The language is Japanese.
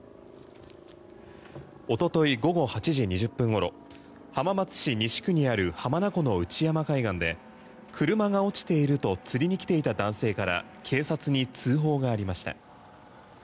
おととい午後８時２０分ごろ浜松市西区にある浜名湖の内山海岸で車が落ちていると釣りに来ていた男性から警察に通報がありました。